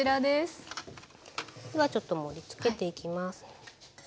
ではちょっと盛りつけていきます。